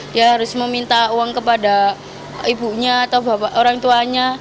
dia harus meminta uang kepada ibunya atau bapak orang tuanya